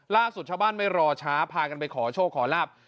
ล่าสุดชาวบ้านไม่รอช้าพากันไปขอโชคขอลาบ